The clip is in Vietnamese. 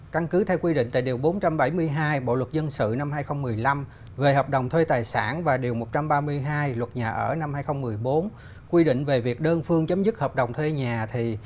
căn cứ theo quy định tại điều bốn trăm bảy mươi hai bộ luật dân sự năm hai nghìn một mươi năm về hợp đồng thuê tài sản và điều một trăm ba mươi hai luật nhà ở năm hai nghìn một mươi bốn quy định về việc đơn phương chấm dứt hợp đồng thuê nhà thì